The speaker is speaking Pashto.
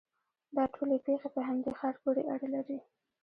دا ټولې پېښې په همدې ښار پورې اړه لري.